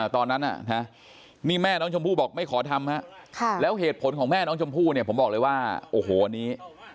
ตอนนั้นนี่แม่น้องชมพู่บอกไม่ขอทำแล้วเหตุผลของแม่น้องชมพู่เนี่ยผมบอกเลยว่าโอ้โหอันนี้